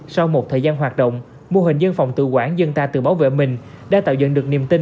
sau một thời gian hoạt động mô hình dân phòng tự quản dân ta tự bảo vệ mình đã tạo dựng được niềm tin